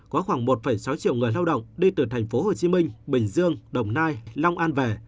có khoảng một sáu triệu người lao động đi từ thành phố hồ chí minh bình dương đồng nai long an về